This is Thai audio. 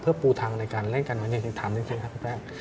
เพื่อปูทางในการเล่นการเหมือนหญิงถามจริงครับคุณแป้ง